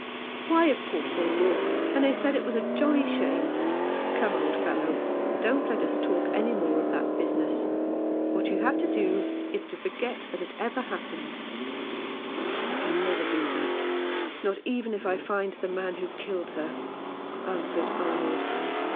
"Why, of course they did, and they said it was 201 Rough Justice. a jolly shame. Come, old fellow, don't let us talk any more of that business. What you have to do is to forget that it ever happened." "I can never do that, not even if I find the man who killed her," answered Arnold.